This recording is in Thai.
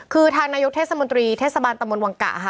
คือทางนายกเทศมนตรีเทศบาลตะมนตวังกะค่ะ